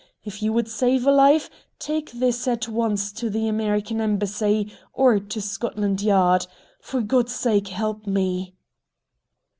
If you would save a life take this at once to the American Embassy, or to Scotland Yard. For God's sake, help me."